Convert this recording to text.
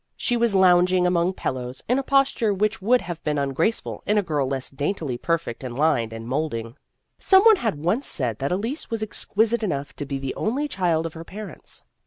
She was lounging 158 Vassar Studies among pillows in a posture which would have been ungraceful in a girl less daintily perfect in line and molding. Some one had once said that Elise was exquisite enough to be the only child of her parents.